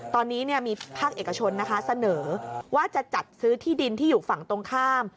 ตอนนี้มีภาคเอกชนนะคะเสนอว่าจะจัดซื้อที่ดินที่อยู่ฝั่งตรงข้าม